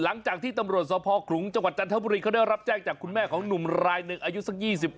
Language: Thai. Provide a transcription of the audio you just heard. หลังจากที่ตำรวจสภขลุงจังหวัดจันทบุรีเขาได้รับแจ้งจากคุณแม่ของหนุ่มรายหนึ่งอายุสัก๒๓